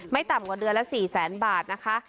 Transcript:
ไม่ต่ำกว่าเดือนละ๔๐๐๐๐๐บาทนะคะ